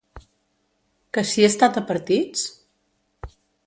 Que si he estat a partits?